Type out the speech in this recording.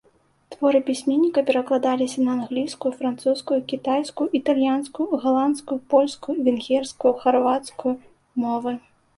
Творы пісьменніка перакладаліся на англійскую, французскую, кітайскую, італьянскую, галандскую, польскую, венгерскую, харвацкую мовы.